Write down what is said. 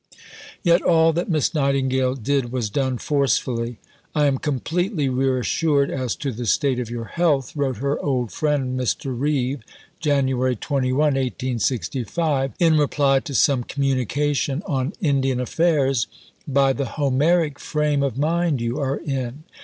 Yet all that Miss Nightingale did was done forcefully. "I am completely reassured as to the state of your health," wrote her old friend Mr. Reeve (Jan. 21, 1865), in reply to some communication on Indian affairs, "by the Homeric frame of mind you are in.